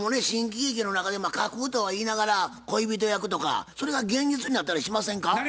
新喜劇の中で架空とはいいながら恋人役とかそれが現実になったりしませんか？